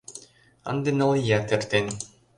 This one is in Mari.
Ынде ныл ият эртен...